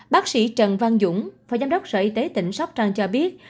bác sĩ trần văn dũng phó giám đốc sở y tế tỉnh sóc trăng cho biết